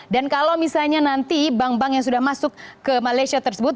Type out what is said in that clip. dan kalau misalnya nanti bank bank yang sudah masuk ke malaysia tersebut